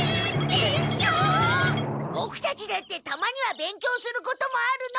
ボクたちだってたまには勉強することもあるの！